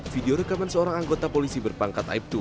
video rekaman seorang anggota polisi berpangkat aibtu